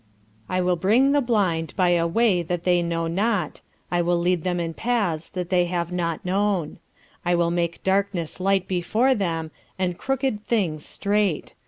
_I will bring the Blind by a Way that they know not, I will lead them in Paths that they have not known: I will make Darkness Light before them and crooked Things straight.